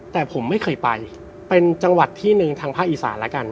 แต่ผมไม่เคยไปเป็นจังหวัดที่หนึ่งทางภาคอีสานแล้วกัน